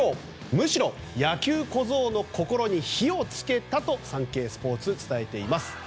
むしろ野球小僧の心に火を付けたとサンケイスポーツは伝えています。